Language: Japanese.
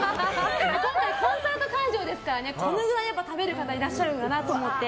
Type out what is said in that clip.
今回、コンサート会場ですからこれくらい食べる方いらっしゃるかなと思って。